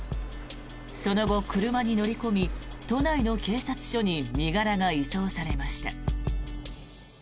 その後、車に乗り込み都内の警察署に身柄が移送されました。